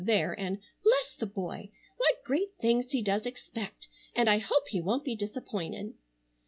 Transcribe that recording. there, and a "Bless the boy! What great things he does expect. And I hope he won't be disappointed."